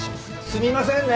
すみませんね。